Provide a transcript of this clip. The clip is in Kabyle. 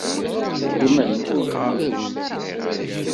Ṣeggmen-t.